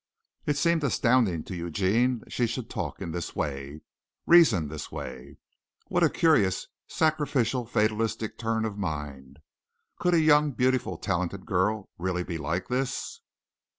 It seemed astounding to Eugene that she should talk in this way reason this way. What a curious, sacrificial, fatalistic turn of mind. Could a young, beautiful, talented girl really be like this?